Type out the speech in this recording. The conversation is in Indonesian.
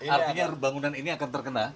artinya bangunan ini akan terkena